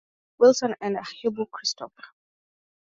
Wilson and Abihu Christopher.